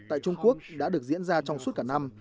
tại trung quốc đã được diễn ra trong suốt cả năm